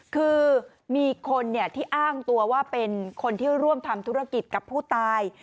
คือมีคนที่อ้างตัวว่าเป็นคนที่ร่วมทำธุรกิจกับผู้ตาย